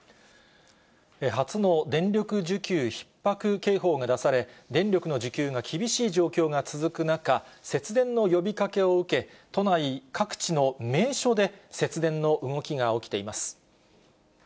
初の電力需給ひっ迫警報が出され、電力の需給が厳しい状況が続く中、節電の呼びかけを受け、都内各地の名所で節電の動きが起きています。